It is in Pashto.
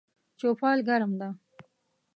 چوپال ګرم ده